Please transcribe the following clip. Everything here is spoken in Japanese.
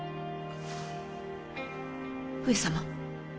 上様。